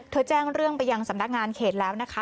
แจ้งเรื่องไปยังสำนักงานเขตแล้วนะคะ